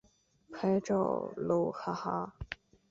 拍照喽哈哈